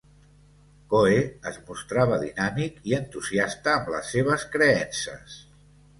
Coe es mostrava dinàmic i entusiasta amb les seves creences.